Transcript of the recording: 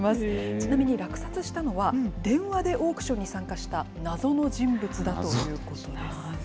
ちなみに落札したのは、電話でオークションに参加した謎の人物だということです。